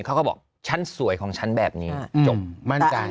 เขาก็บอกฉันสวยของฉันแบบนี้จบมั่นใจ